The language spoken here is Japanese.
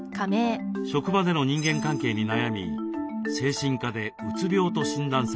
職場での人間関係に悩み精神科でうつ病と診断され会社を休職。